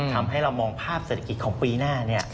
ทำให้เรามองภาพเศรษฐกิจของปีหน้า